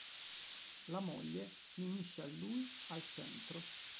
La "moglie" si unisce a lui al centro.